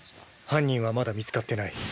犯人はまだ見つかってない。